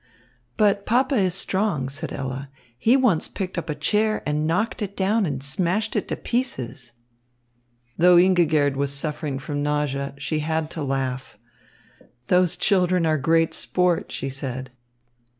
"But papa is strong," said Ella. "He once picked up a chair and knocked it down and smashed it to pieces." Though Ingigerd was suffering from nausea, she had to laugh. "Those children are great sport," she said.